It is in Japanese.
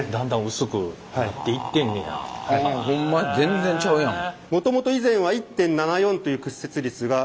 ほんまに全然ちゃうやん。